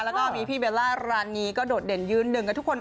แล้วก็มีพี่เบลล่ารานีก็โดดเด่นยืนหนึ่งกับทุกคน